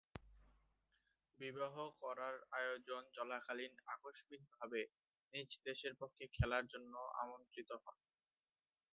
বিবাহ করার আয়োজন চলাকালীন আকস্মিকভাবে নিজ দেশের পক্ষে খেলার জন্যে আমন্ত্রিত হন।